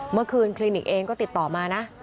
เมื่อคืนคลินิกเองก็ติดต่อมานะ